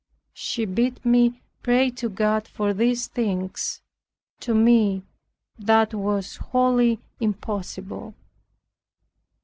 She bid me pray to God for these things. To me that was wholly impossible.